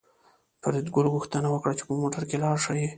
فریدګل غوښتنه وکړه چې په موټر کې لاړ شي